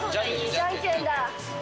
じゃんけんだ。